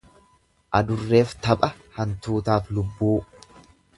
Adurreef tapha hantuutaaf lubbuu.